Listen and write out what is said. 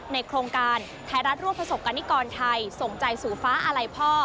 โครงการไทยรัฐร่วมประสบกรณิกรไทยส่งใจสู่ฟ้าอาลัยพ่อ